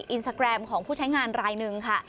อินสตาแกรมของผู้ใช้งานรายหนึ่งค่ะ